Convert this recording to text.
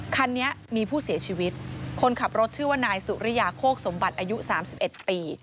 คันนี้มีผู้เสียชีวิตคนขับรถชื่อว่านายสุริยาโคกสมบัติอายุ๓๑ปี